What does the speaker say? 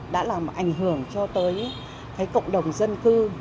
đã làm ảnh hưởng cho tới cộng đồng dân cư